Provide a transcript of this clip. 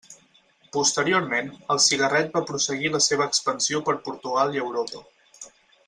Posteriorment, el cigarret va prosseguir la seva expansió per Portugal i Europa.